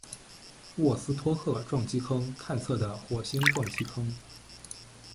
沃斯托克撞击坑探测的火星撞击坑。